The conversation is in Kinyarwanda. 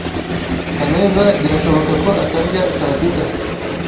Kaneza birashoboka ko atarya saa sita.